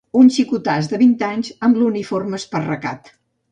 Un xicotàs de vint anys, amb l'uniforme esparracat